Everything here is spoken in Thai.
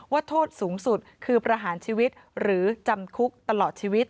โทษสูงสุดคือประหารชีวิตหรือจำคุกตลอดชีวิต